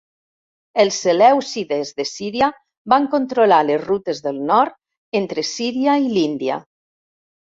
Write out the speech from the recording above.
Els selèucides de Síria van controlar les rutes del nord entre Síria i l'Índia.